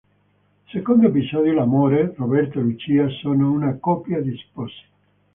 Secondo episodio "L'amore": Roberto e Lucia, sono una coppia di sposi.